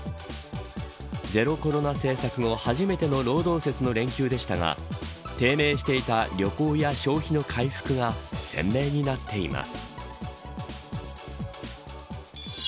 ゼロコロナ政策後初めての労働節の連休でしたが低迷していた旅行や消費の回復が鮮明になっています。